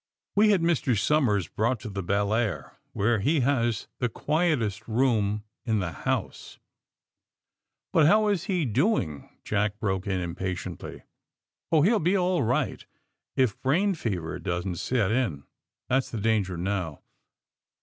We had Mr. Somers brought to the Belleair, where he has the quietest room in the house." 242 THE SUBMAEINE BOYS But how is lie doing T' Jack broke in im patiently. ^'Oh, he'll be all right, if brain fever doesn't set in. That's the danger now.